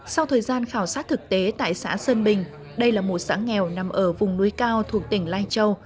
sau thời gian khảo sát thực tế tại xã sơn bình đây là một xã nghèo nằm ở vùng núi cao thuộc tỉnh lai châu